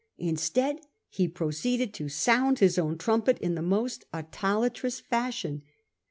Instead, he proceeded to sound his own trumpet in the most autolfttrous fashion.